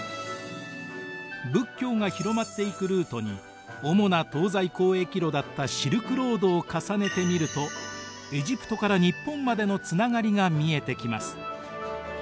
仏教が広まっていくルートに主な東西交易路だったシルクロードを重ねてみるとエジプトから日本までのつながりが見えてきます。